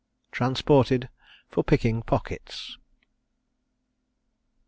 TRANSPORTED FOR PICKING POCKETS.